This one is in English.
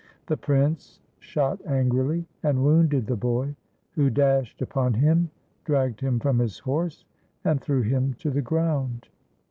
The prince shot angrily, and wounded the boy, who dashed upon him, dragged him from his horse, and threw him to the ground.